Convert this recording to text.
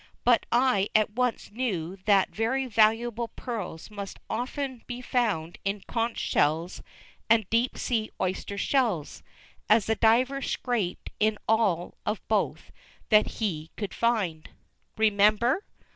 But I at once knew that very valuable pearls must often be found in conch shells and deep sea oyster shells, as the diver scraped in all of both that he could find. Remember!